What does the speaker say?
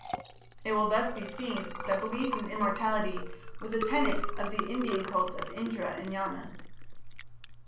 It will thus be seen that belief in immortality was a tenet of the Indian cults of Indra and Yama.